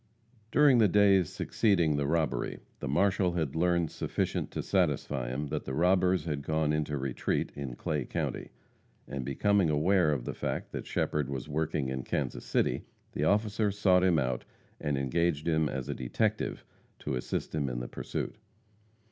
During the days succeeding the robbery, the marshal had learned sufficient to satisfy him that the robbers had gone into retreat in Clay county; and becoming aware of the fact that Shepherd was working in Kansas City, the officer sought him out and engaged him as a detective to assist him in the pursuit.